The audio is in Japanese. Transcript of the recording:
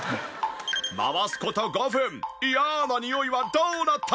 回す事５分嫌なにおいはどうなった？